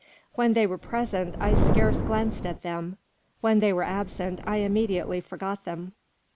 When they were present, I scarce glanced at them; when they were absent, I immediately forgot them.